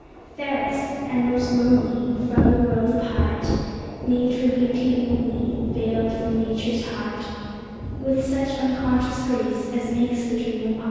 Fairest and most lonely, From the world apart; Made for beauty only, Veiled from Nature's heart With such unconscious grace as makes the dream of Art!